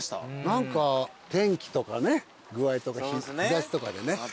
何か天気とかね具合とか日差しとかでね。